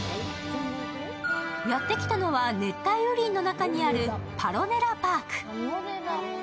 やってきたのは熱帯雨林の中にあるパロネラパーク。